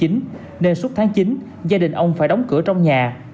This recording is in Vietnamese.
nên suốt tháng chín gia đình ông phải đóng cửa trong nhà